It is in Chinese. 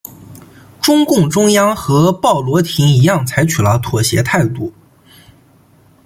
中共中央和鲍罗廷一样采取了妥协态度。